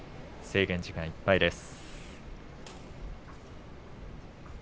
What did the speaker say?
制限時間いっぱいです。